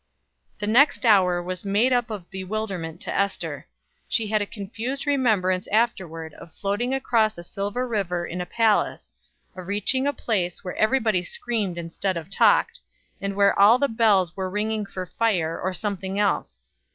The next hour was made up of bewilderment to Ester. She had a confused remembrance afterward of floating across a silver river in a palace; of reaching a place where everybody screamed instead of talked, and where all the bells were ringing for fire, or something else.